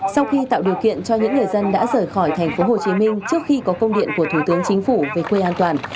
sau khi tạo điều kiện cho những người dân đã rời khỏi thành phố hồ chí minh trước khi có công điện của thủ tướng chính phủ về quê an toàn